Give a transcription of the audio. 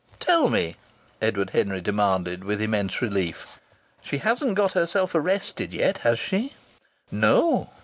"Tell me," Edward Henry demanded, with immense relief, "she hasn't got herself arrested yet, has she?" "No.